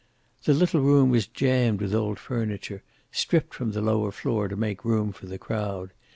The little room was jammed with old furniture, stripped from the lower floor to make room for the crowd.